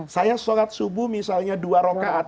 saya sholat subuh misalnya dua rokaat